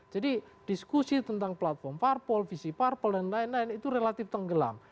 jadi diskusi tentang platform parpol visi parpol dan lain lain itu relatif tenggelam